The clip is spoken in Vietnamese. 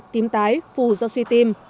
tím tái phù do suy tim